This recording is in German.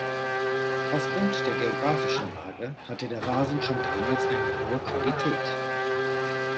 Auf Grund der geografischen Lage hatte der Rasen schon damals eine hohe Qualität.